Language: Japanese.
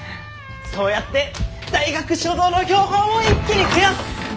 そうやって大学所蔵の標本を一気に増やす！